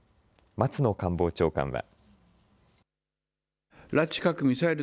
松野官房長官は。